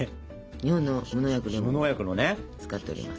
日本の無農薬レモンを使っております。